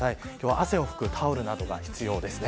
汗を拭くタオルなどが必要です。